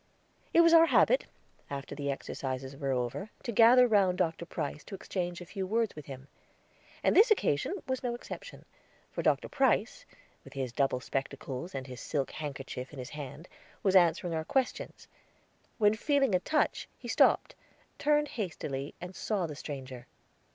It was our habit, after the exercises were over, to gather round Dr. Price, to exchange a few words with him. And this occasion was no exception, for Dr. Price, with his double spectacles, and his silk handkerchief in his hand, was answering our questions, when feeling a touch, he stopped, turned hastily, and saw the stranger.